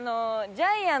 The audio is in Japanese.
ジャイアン？